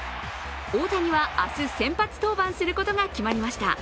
大谷は明日、先発投手することが決まりました。